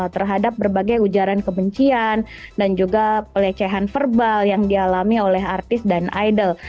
terhadap berbagai ujaran kebencian dan juga pelecehan verbal yang dialami oleh artis dan idol